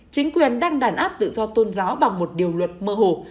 chính quyền đang đàn áp tự do tôn giáo bằng một điều luật mơ hồ